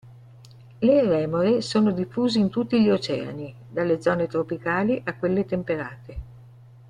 Le remore sono diffuse in tutti gli oceani, dalle zone tropicali a quelle temperate.